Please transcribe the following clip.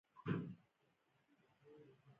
که څوک ستا پر فکر خاندي؛ نو دا د عقل غل دئ.